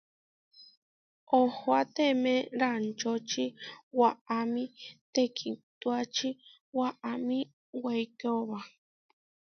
Ohoáteme raančoči waʼamí tehkíintuači waʼámi weikaóba.